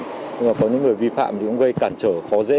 nhưng mà có những người vi phạm thì cũng gây cản trở khó dễ